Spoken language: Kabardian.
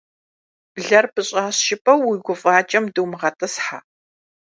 Блэр «пӀыщӀащ» жыпӀэу уи гуфӀакӀэм думыгъэтӀысхьэ.